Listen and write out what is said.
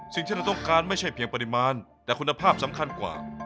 สิ่งที่เราต้องการไม่ใช่เพียงปริมาณแต่คุณภาพสำคัญกว่า